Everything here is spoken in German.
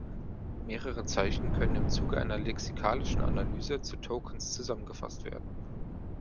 Mehrere Zeichen können im Zuge einer lexikalischen Analyse zu Tokens zusammengefasst werden.